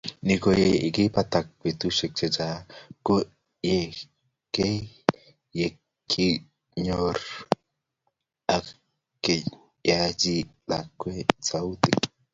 Ni koyekingopata betusiek chechang kongetkei ye kingekonor ak keyachi lakwenyi sautik